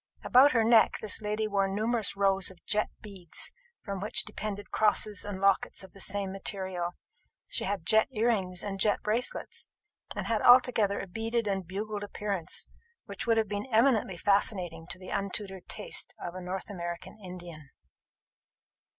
About her neck this lady wore numerous rows of jet beads, from which depended crosses and lockets of the same material: she had jet earrings and jet bracelets; and had altogether a beaded and bugled appearance, which would have been eminently fascinating to the untutored taste of a North American Indian.